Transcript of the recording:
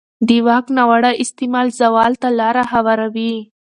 د واک ناوړه استعمال زوال ته لاره هواروي